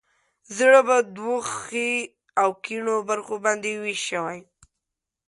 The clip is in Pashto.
زړه په دوو ښي او کیڼو برخو باندې ویش شوی.